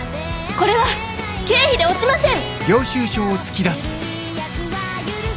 これは経費で落ちません！